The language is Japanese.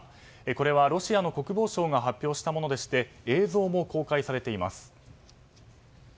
これはロシアの国防省が発表したものでして映像も公開されています。